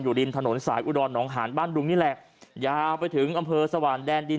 ริมถนนสายอุดรหนองหานบ้านดุงนี่แหละยาวไปถึงอำเภอสว่างแดนดิน